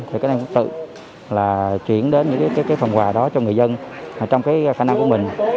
thì các anh em cũng tự là chuyển đến những cái phòng hòa đó cho người dân trong cái khả năng của mình